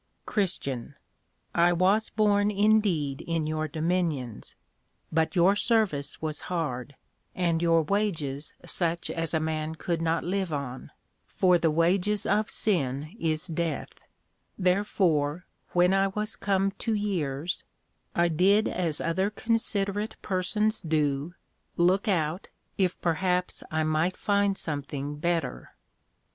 CHR. I was born indeed in your dominions, but your service was hard, and your wages such as a man could not live on, for the wages of sin is death; therefore when I was come to years, I did as other considerate persons do, look out, if perhaps I might find something better.